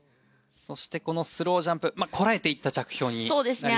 そしてこのスロージャンプこらえていった着氷になりました。